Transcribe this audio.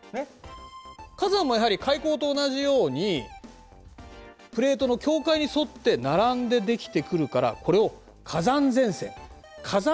火山もやはり海溝と同じようにプレートの境界に沿って並んで出来てくるからこれを火山前線火山